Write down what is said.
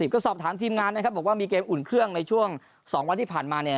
ก็สอบถามทีมงานนะครับบอกว่ามีเกมอุ่นเครื่องในช่วง๒วันที่ผ่านมาเนี่ย